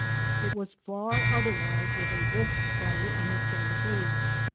It was far otherwise with a wolf spider in the same cage.